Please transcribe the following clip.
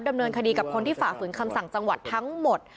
ดำเนินคดีกับคนที่ฝ่าฝืนคำสั่งจังหวัดทั้งหมด